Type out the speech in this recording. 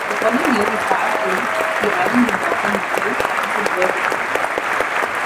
The following year, he starred in "The Island of Doctor Moreau" opposite Burt Lancaster.